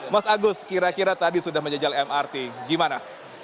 mas agus kira kira tadi sudah menjajal mrt gimana